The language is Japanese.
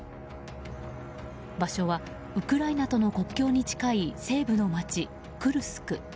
場所はウクライナとの国境に近い西部の街、クルスク。